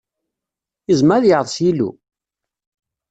Yezmer ad yeɛḍes yilu?